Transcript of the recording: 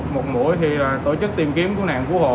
một mũi thì là tổ chức tìm kiếm của nạn của hộ